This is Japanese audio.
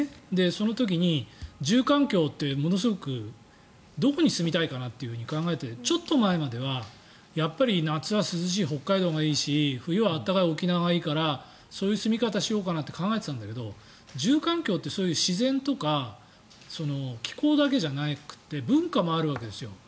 その時に住環境って、ものすごくどこに住みたいかなって考えてちょっと前までは、やっぱり夏は涼しい北海道がいいし冬は暖かい沖縄がいいからそういう住み方をしようかなと考えていたんだけど住環境って、そういう自然とか気候だけじゃなくて文化もあるわけですよ。